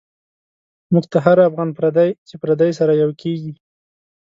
موږ ته هر افغان پردی، چی پردی سره یو کیږی